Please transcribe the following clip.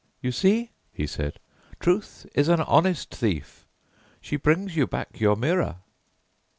"You see," he said, "Truth is an honest thief, she brings you back your mirror."